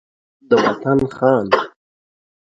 د وطن خان